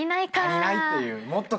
足りないっていう。